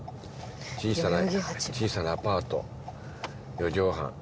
小さな小さなアパート４畳半。